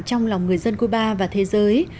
trong lòng người dân cuba và thế giới